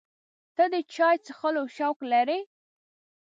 ته د چای څښلو شوق لرې؟